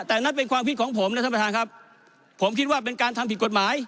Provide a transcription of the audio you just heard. แต่นั่นเป็นความคิดของผมนะท่านประธานครับผมคิดว่าเป็นการทำผิดกฎหมาย